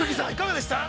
さん、いかがでした？